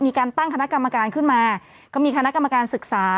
มีการตั้งคณะกรรมการขึ้นมาก็มีคณะกรรมการศึกษา